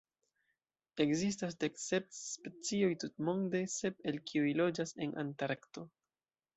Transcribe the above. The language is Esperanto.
Ekzistas dek sep specioj tutmonde, sep el kiuj loĝas en Antarkto.